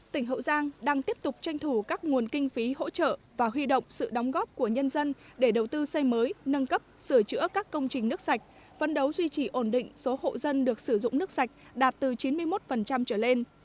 tỉnh hậu giang đang tiếp tục tranh thủ các nguồn kinh phí hỗ trợ và huy động sự đóng góp của nhân dân để đầu tư xây mới nâng cấp sửa chữa các công trình nước sạch phân đấu duy trì ổn định số hộ dân được sử dụng nước sạch đạt từ chín mươi một trở lên